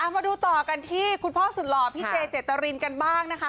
มาดูต่อกันที่คุณพ่อสุดหล่อพี่เจเจตรินกันบ้างนะคะ